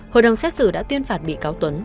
hội đồng xét xử đã tuyên phạt bị cáo tuấn